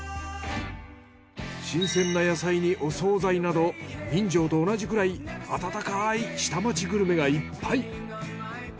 新鮮な野菜にお惣菜など人情と同じくらい温かい下町グルメがいっぱい。